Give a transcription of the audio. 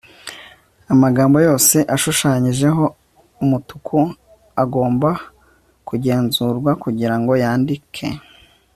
amagambo yose ashushanyijeho umutuku agomba kugenzurwa kugirango yandike